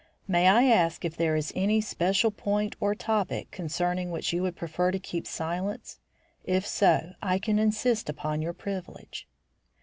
May I ask if there is any special point or topic concerning which you would prefer to keep silence? If so, I can insist upon your privilege."